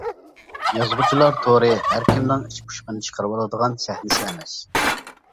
يازغۇچىلار تورى ھەركىمنىڭ ئىچ پۇشۇقىنى چىقىرىۋالىدىغان سەھنىسى ئەمەس.